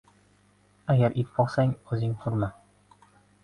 • Agar it boqsang, o‘zing hurima.